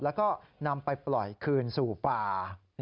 แล้วก็นำไปปล่อยคืนสู่ป่า